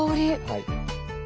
はい。